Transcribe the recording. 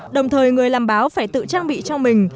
đồng thời người làm báo phải tự trang bị cho mình